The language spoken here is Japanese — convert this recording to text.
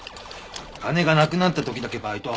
金がなくなった時だけバイト。